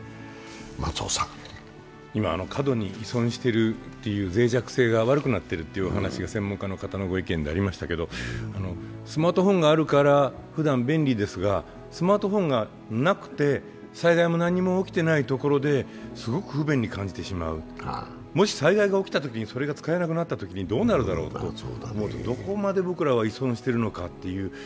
今、過度に依存しているというぜい弱性が悪くなっているという専門家の方のご意見でありましたけどスマートフォンがあるからふだん便利ですがスマートフォンがなくて、災害も何も起きていないところですごく不便に感じてしまう、もし災害が起きたときにそれが使えなくなったときにどうなるだろうと思うと、どこまで僕らは依存しているのかと。